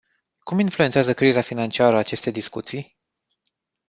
Cum influențează criza financiară aceste discuții?